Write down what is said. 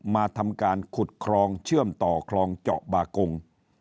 มาทำการขุดครองเชื่อมต่อคลองเจาะบากง